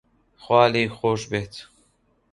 خوا لێی خۆش بێت